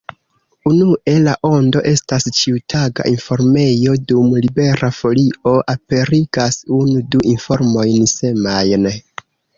Unue, La Ondo estas ĉiutaga informejo, dum Libera Folio aperigas unu-du informojn semajne.